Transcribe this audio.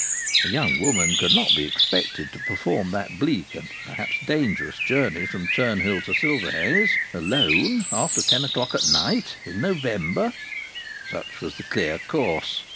A young woman could not be expected to perform that bleak and perhaps dangerous journey from Turnhill to Silverhays alone after ten o'clock at night in November. Such was the clear course.